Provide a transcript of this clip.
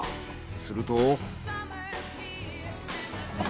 すると。